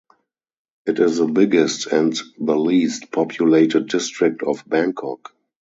It is the biggest and the least populated district of Bangkok.